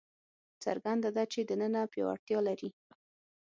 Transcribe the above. څرګنده ده چې دننه پیاوړتیا لري.